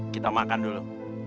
kita makan dulu